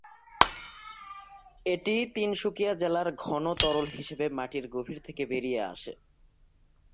এটি তিনসুকিয়া জেলার ঘন তরল হিসাবে মাটির গভীর থেকে বেরিয়ে আসে।